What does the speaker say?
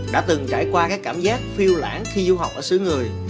đã từng trải qua các cảm giác phiêu lãng khi du học ở xứ người